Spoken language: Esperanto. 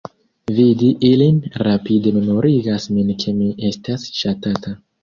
Vidi ilin rapide memorigas min ke mi estas ŝatata.